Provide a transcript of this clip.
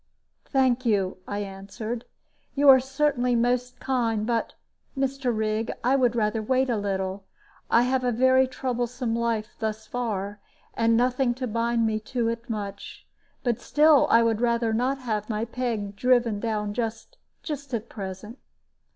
"Thank you," I answered; "you are certainly most kind; but, Mr. Rigg, I would rather wait a little. I have had a very troublesome life thus far, and nothing to bind me to it much; but still I would rather not have my peg driven down just just at present."